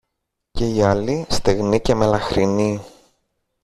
και η άλλη, στεγνή και μελαχρινή